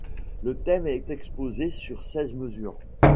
Le thème est exposé sur seize mesures.